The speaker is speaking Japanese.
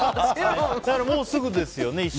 もう、すぐですよね。